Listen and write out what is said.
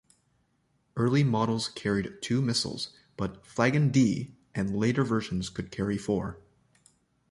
Early models carried two missiles, but 'Flagon-D' and later versions could carry four.